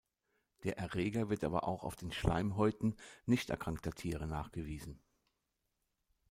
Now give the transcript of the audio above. Der Erreger wird aber auch auf den Schleimhäuten nicht erkrankter Tiere nachgewiesen.